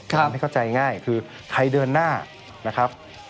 ทำให้เข้าใจง่ายคือใครเดินหน้านะครับ